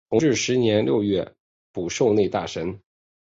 同治十年六月补授内大臣。